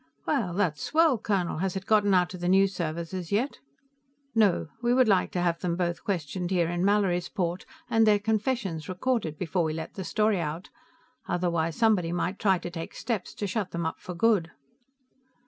"Well, that's swell, Colonel! Has it gotten out to the news services yet?" "No. We would like to have them both questioned here in Mallorysport, and their confessions recorded, before we let the story out. Otherwise, somebody might try to take steps to shut them up for good."